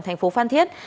thành phố phan thiết